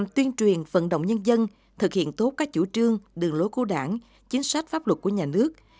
tuyên truyền vận động nhân dân thực hiện tốt các chủ trương đường lối của đảng chính sách pháp luật của nhà nước